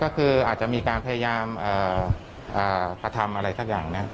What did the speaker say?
ก็คืออาจจะมีการพยายามกระทำอะไรสักอย่างนะ